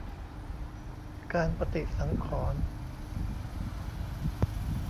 การปฏิสังขรณ์